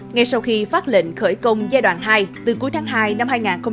ngay sau khi phát lệnh khởi công giai đoạn hai từ cuối tháng hai năm hai nghìn hai mươi